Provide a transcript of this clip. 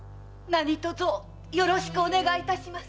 何卒よろしくお願いいたします。